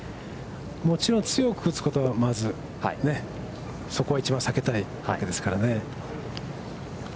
もちろん強く打つことは、まずそこは一番避けたいわけですからね。